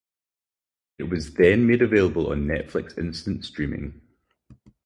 It was then made available on Netflix Instant Streaming.